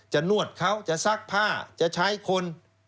นวดเขาจะซักผ้าจะใช้คน